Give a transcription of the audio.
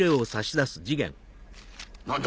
何だ？